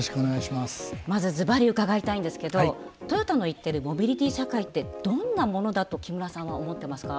まずずばり伺いたいんですけどトヨタの言ってるモビリティ社会ってどんなものだと木村さんは思ってますか？